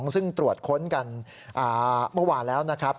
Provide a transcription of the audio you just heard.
ซึ่งตรวจค้นกันเมื่อวานแล้วนะครับ